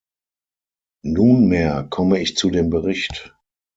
Nunmehr komme ich zu dem Bericht.